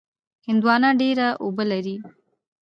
هندوانه ډېره اوبه لري.